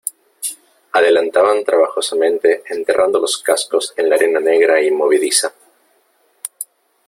adelantaban trabajosamente enterrando los cascos en la arena negra y movediza .